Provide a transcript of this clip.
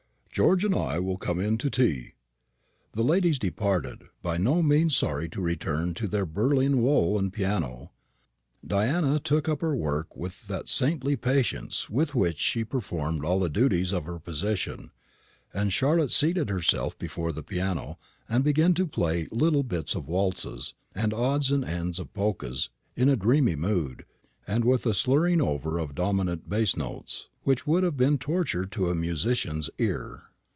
George and I will come in to tea." The ladies departed, by no means sorry to return to their Berlin wool and piano. Diana took up her work with that saintly patience with which she performed all the duties of her position; and Charlotte seated herself before the piano, and began to play little bits of waltzes, and odds and ends of polkas, in a dreamy mood, and with a slurring over of dominant bass notes, which would have been torture to a musician's ear.